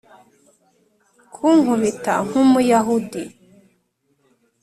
kunkubita nk'umuyahudi.